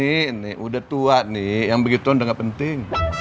ini udah tua nih yang begituan udah gak penting